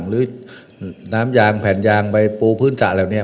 หรือน้ำยางแผ่นยางใบปูพื้นสระอะไรแบบเนี่ย